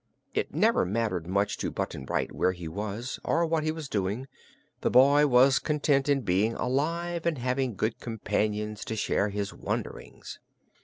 It never mattered much to Button Bright where he was or what he was doing; the boy was content in being alive and having good companions to share his wanderings.